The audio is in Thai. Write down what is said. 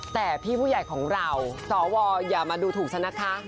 แต่พี่ผู้ใหญ่ของเราสวอย่ามาดูถูกซะนะคะ